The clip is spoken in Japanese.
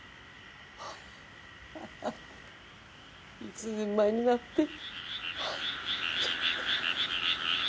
一人前になって。